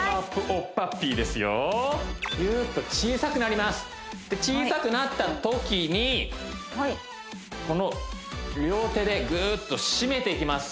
おっぱっぴーですよギュッと小さくなります小さくなったときにこの両手でグーっと締めていきます